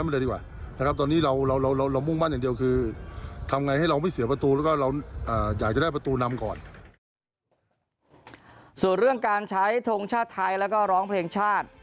ส่วนเรื่องการใช้ทงชาติไทยแล้วก็ร้องเพลงชาติ